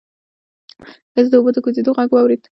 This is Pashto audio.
ښځې د اوبو د کوزېدو غږ واورېد.